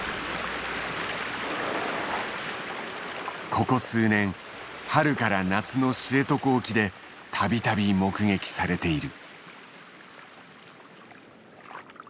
ここ数年春から夏の知床沖でたびたび目撃されている。